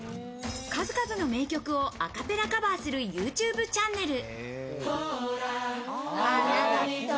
数々の名曲をアカペラカバーするＹｏｕＴｕｂｅチャンネル。